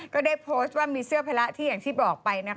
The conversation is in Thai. ก็ได้โพสต์ว่ามีเสื้อพละที่อย่างที่บอกไป